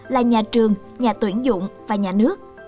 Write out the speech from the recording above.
là nhà trường nhà tuyển dụng và nhà nước